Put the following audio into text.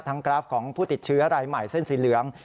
กราฟของผู้ติดเชื้อรายใหม่เส้นสีเหลือง